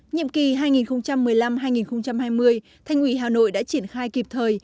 nhiệm kỳ hai nghìn một mươi năm hai nghìn hai mươi thành ủy hà nội đã triển khai kịp thời